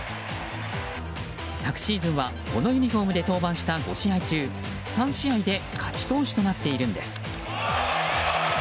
昨シーズンはこのユニホームで登板した５試合中３試合で勝ち投手となっているんです。